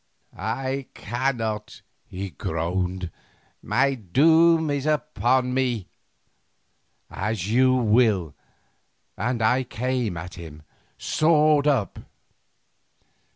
"I cannot," he groaned; "my doom is upon me." "As you will," and I came at him, sword up.